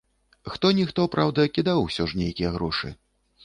Хто-ніхто, праўда, кідаў усё ж нейкія грошы.